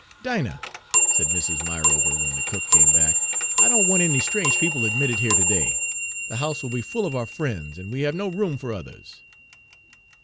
"Dinah," said Mrs. Myrover, when the cook came back,"I don't want any strange people admitted here to day. The house will be full of our friends, and we have no room for others."